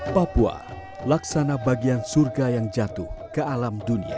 papua laksana bagian surga yang jatuh ke alam dunia